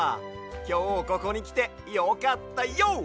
きょうここにきてよかったＹＯ！